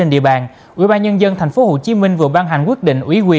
đăng ký đăng ký đăng ký